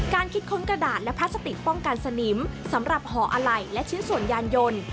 คิดค้นกระดาษและพลาสติกป้องกันสนิมสำหรับห่ออะไหล่และชิ้นส่วนยานยนต์